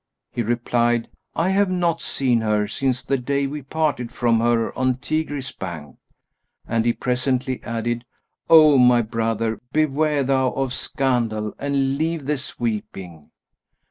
He replied, "I have not seen her, since the day we parted from her on Tigris' bank;" and he presently added, "O my brother, beware thou of scandal and leave this weeping."